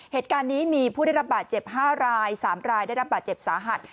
เหตุการณ์นี้มีผู้ได้รับบาดเจ็บ๕ราย๓รายได้รับบาดเจ็บสาหัส